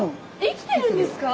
生きてるんですか？